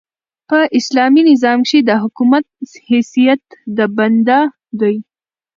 په اسلامي نظام کښي د حکومت حیثیت د بنده دئ.